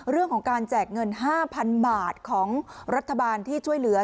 เรื่องของการแจกเงิน๕๐๐๐บาทของรัฐบาลที่ช่วยเหลือ